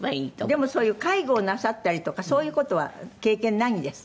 でもそういう介護をなさったりとかそういう事は経験ないんですって？